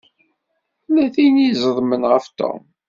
Tella tin i d-iẓeḍmen ɣef Tom.